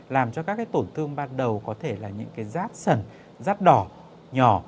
làm cho các tổn thương ban đầu có thể là những rát sần rát đỏ nhỏ